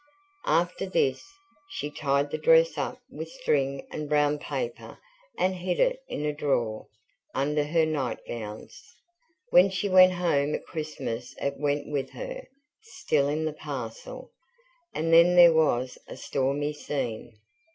After this, she tied the dress up with string and brown paper and hid it in a drawer, under her nightgowns. When she went home at Christmas it went with her, still in the parcel, and then there was a stormy scene.